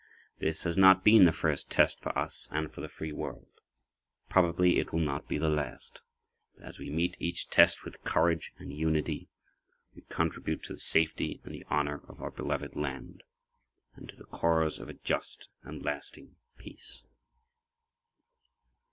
This has not been the first test for us and for the free world. Probably it will not be the last. But as we meet each test with courage and unity, we contribute to the safety and the honor of our beloved land—and to the cause of a just and lasting peace.